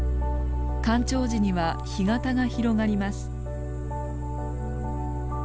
干潮時には干潟が広がります。